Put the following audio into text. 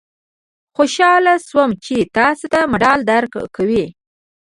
خوشاله شوم چې تاسې ته مډال درکوي.